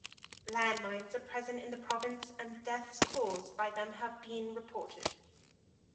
Landmines are present in the province and deaths caused by them have been reported.